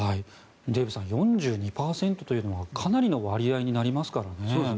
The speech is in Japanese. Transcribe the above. デーブさん４２％はかなりの割合になりますからね。